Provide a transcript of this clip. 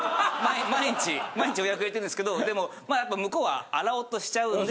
毎日予約入れてるんですけどでもやっぱ向こうは洗おうとしちゃうんで。